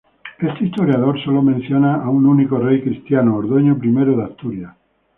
Este historiador solo menciona a un único rey cristiano, Ordoño I de Asturias.